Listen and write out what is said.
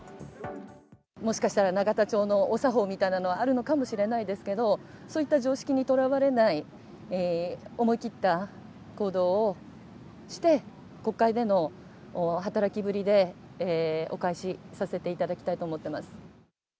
もしかしたら、永田町のお作法みたいなの、あるのかもしれないですけれども、そういった常識にとらわれない、思い切った行動をして、国会での働きぶりでお返しさせていただきたいと思っています。